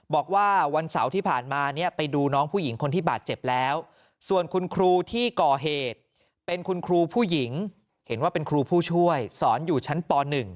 บอกว่าวันเสาร์ที่ผ่านมาเนี่ยไปดูน้องผู้หญิงคนที่บาดเจ็บแล้วส่วนคุณครูที่ก่อเหตุเป็นคุณครูผู้หญิงเห็นว่าเป็นครูผู้ช่วยสอนอยู่ชั้นป๑